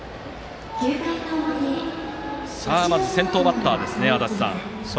まずは先頭バッターですね足達さん。